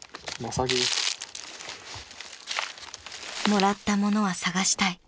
［「もらった物は捜したい」